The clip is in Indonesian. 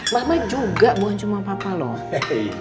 mama juga bukan cuma papa loh